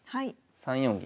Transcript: ３四銀。